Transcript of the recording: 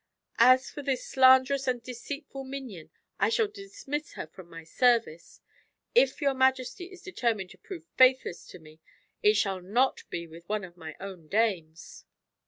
"As for this slanderous and deceitful minion, I shall dismiss her from my service. If your majesty is determined to prove faithless to me, it shall not be with one of my own dames."